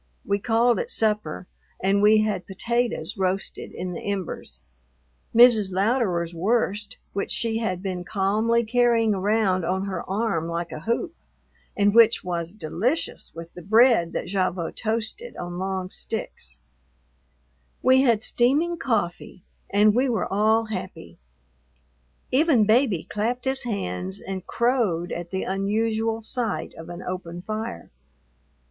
We called it supper, and we had potatoes roasted in the embers, Mrs. Louderer's wurst, which she had been calmly carrying around on her arm like a hoop and which was delicious with the bread that Gavotte toasted on long sticks; we had steaming coffee, and we were all happy; even Baby clapped his hands and crowed at the unusual sight of an open fire.